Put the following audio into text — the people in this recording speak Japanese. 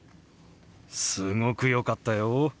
すごく良かったよ。